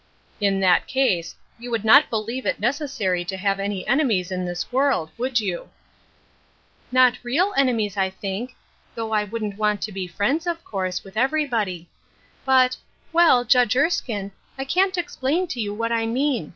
" In that case, you would not believe it neces sary to have any enemies in this world, would fOU?" " Not real enemies, I think, though I wouldn't A Cross of Lead. 63 want to be friends, of course, with everybody. But — well, Judge Erskine, I can't explain to you what I mean.